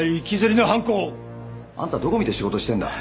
あんたどこ見て仕事してるんだ？